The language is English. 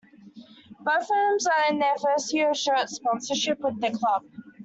Both firms are in their first year of shirt sponsorship with the club.